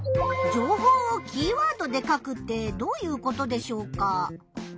情報をキーワードで書くってどういうことでしょうか？